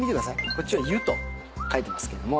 こっちは「湯」と書いてますけども。